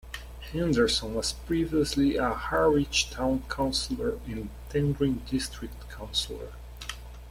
Henderson was previously a Harwich Town Councillor and Tendring District Councillor.